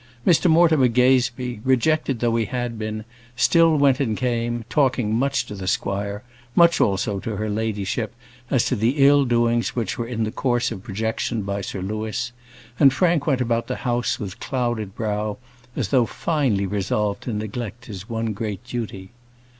Mr Mortimer Gazebee, rejected though he had been, still went and came, talking much to the squire, much also to her ladyship, as to the ill doings which were in the course of projection by Sir Louis; and Frank went about the house with clouded brow, as though finally resolved to neglect his one great duty.